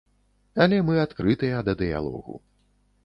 Але мы адкрытыя да дыялогу.